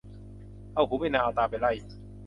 เอาหูไปนาเอาตาไปไร่